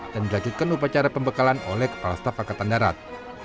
dan dilanjutkan upacara pembekalan oleh kepala staf angkatan narat